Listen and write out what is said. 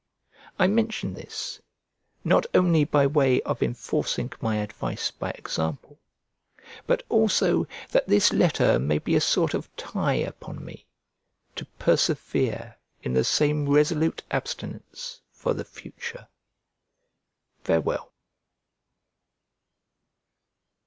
I mention this, not only by way of enforcing my advice by example, but also that this letter may be a sort of tie upon me to persevere in the same resolute abstinence for the future. Farewell.